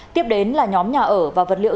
tiếp đến là nhóm nhà ở và vật liệu